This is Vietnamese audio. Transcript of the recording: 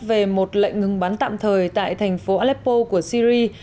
về một lệnh ngừng bắn tạm thời tại thành phố aleppo của syri